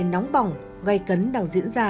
nóng bỏng gây cấn đang diễn ra